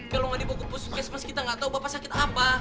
kalau gak dibawa ke puskesmas kita gak tau bapak sakit apa